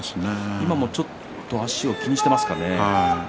今もちょっと足を気にしてますかね？